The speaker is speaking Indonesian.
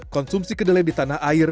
konsumsi kedelai di tanah air